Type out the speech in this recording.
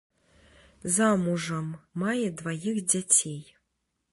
Замужам, мае дваіх дзяцей.